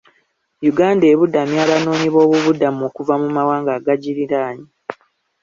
Uganda ebudamya abanoonyi b'obubudamu okuva mu mawanga agagiriraanye.